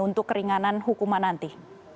untuk keringanan hukuman nanti